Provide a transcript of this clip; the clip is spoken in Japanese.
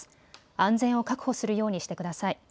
安全を確保するようにしてください。